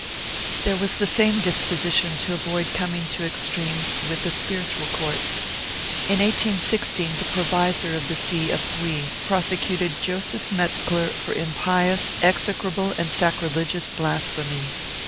3 There was the same disposition to avoid coming to extremes with the spiritual courts. In 1816 the provisor of the see of Tuy prosecuted Joseph Metzcler for impious, execrable and sacrilegious blasphemies.